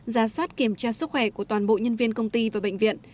ra soát kiểm tra sức khỏe của toàn bộ nhân viên công ty và bệnh viện